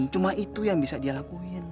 cuma itu yang bisa dia lakuin